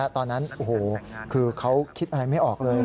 ตอนนั้นโอ้โหคือเขาคิดอะไรไม่ออกเลย